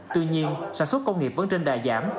tuy nhiên sản xuất công nghiệp vẫn trên đà giảm